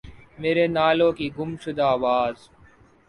میرے نالوں کی گم شدہ آواز